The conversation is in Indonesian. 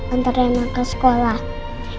antar rena ke sekolah